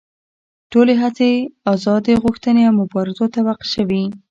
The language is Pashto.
ټولې هڅې ازادي غوښتنې او مبارزو ته وقف شوې.